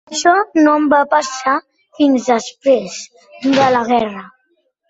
Això no em va passar fins després de la guerra.